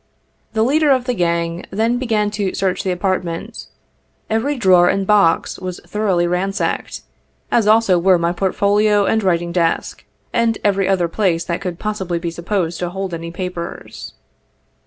The leader of the gang then began to search the apartment. Every drawer and box was thoroughly ransacked, as also were my portfolio and writing desk, and every other place that could possibly be supposed to hold any papers.